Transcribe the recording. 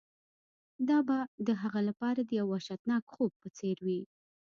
دا به د هغه لپاره د یو وحشتناک خوب په څیر وي